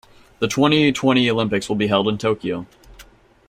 The twenty-twenty Olympics will be held in Tokyo.